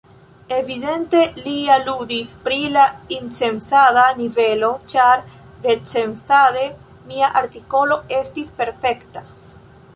Evidente li aludis pri la incensada nivelo, ĉar recenzade mia artikolo estis perfekta.